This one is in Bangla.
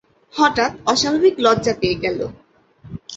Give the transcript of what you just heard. হঠাৎ অস্বাভাবিক লজ্জা পেয়ে গেল।